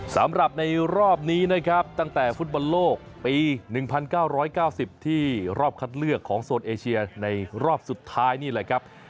สำหรับในรอบนี้นะครับตั้งแต่ฟุตบอลโลกปี๑๙๙๐ที่รอบคัดเลือกของโซนเอเชียในรอบสุดท้ายนี่แหละครับ